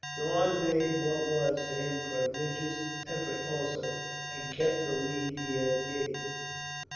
Daun made what was, for him, prodigious efforts also, and kept the lead he had gained.